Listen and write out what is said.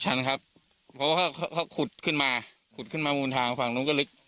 ชันครับเพราะว่าเขาขุดขึ้นมาขุดขึ้นมามูลทางฝั่งนู้นก็ลึก